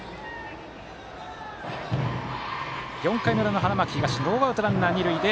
４回の裏の花巻東ノーアウトランナー、二塁で